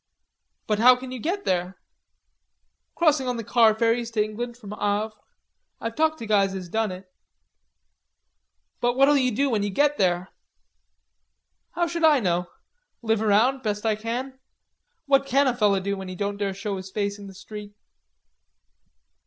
"But how can you get there?" "Crossing on the car ferries to England from Havre. I've talked to guys has done it." "But what'll you do when you do get there?" "How should I know? Live around best I can. What can a feller do when he don't dare show his face in the street?"